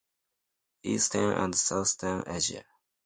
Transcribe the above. Eastern and southeastern Asia.